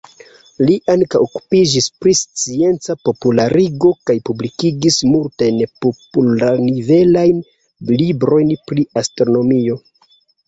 Li ankaŭ okupiĝis pri scienca popularigo kaj publikigis multajn popular-nivelajn librojn pri astronomio.